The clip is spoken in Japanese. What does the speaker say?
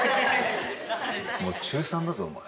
もう中３だぞお前。